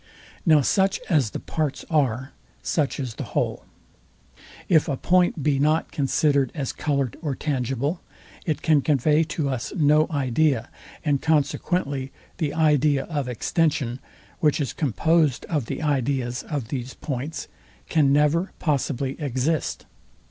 Now such as the parts are, such is the whole. If a point be not considered as coloured or tangible, it can convey to us no idea; and consequently the idea of extension, which is composed of the ideas of these points, can never possibly exist.